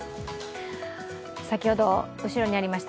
先ほど、後ろにありました